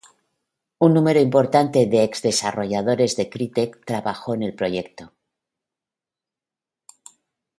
Un número importante de ex-desarrolladores de Crytek trabajó en el proyecto.